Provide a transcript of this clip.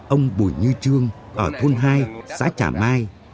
ông bùi như trương ở thôn hai xã trà mai